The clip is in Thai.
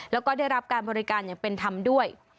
แล้วก็ได้รับการบริการอย่างเป็นธรรมด้วย